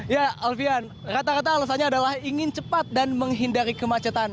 ya alfian rata rata alasannya adalah ingin cepat dan menghindari kemacetan